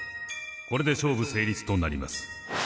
これで勝負成立となります。